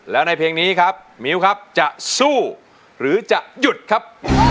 แล้วในเพลงนี้ครับมิ้วครับจะสู้หรือจะหยุดครับ